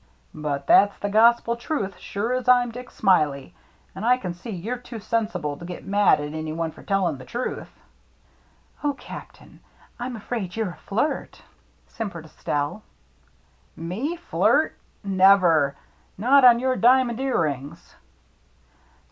" But that's the gospel truth, sure as I'm Dick Smiley. And I can see you're too sen sible to get mad at any one for telling the truth." "Oh, Captain, I'm afraid you're a flirt," simpered Estelle. " Me, flirt ? Never. Not on your diamond ear rings